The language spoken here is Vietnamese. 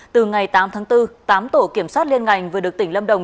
từ ngày tám tháng bốn tám tổ kiểm soát liên ngành vừa được tỉnh lâm đồng